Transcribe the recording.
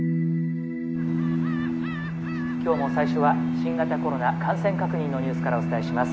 「今日も最初は新型コロナ感染確認のニュースからお伝えします。